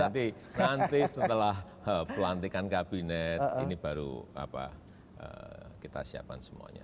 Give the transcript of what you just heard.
ya nanti lah nanti setelah pelantikan kabinet ini baru kita siapkan semuanya